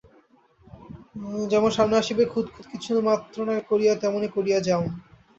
যেমন সামনে আসিবে, খুঁত খুঁত কিছু মাত্র না করিয়া তেমনই করিয়া যাউন।